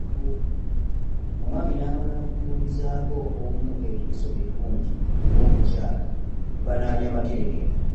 Omwami n’amala atunuulizaako omu eriiso eddungi, ng’omukyala banaalya matereke.